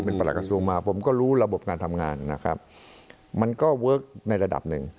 เป็นประหลักกระทรวงมาผมก็รู้ระบบการทำงานนะครับมันก็เวิร์คในระดับหนึ่ง